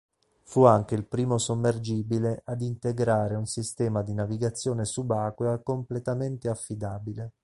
Fu anche il primo sommergibile ad integrare un sistema di navigazione subacquea completamente affidabile.